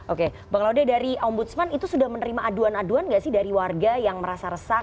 oke bang laude dari ombudsman itu sudah menerima aduan aduan gak sih dari warga yang merasa resah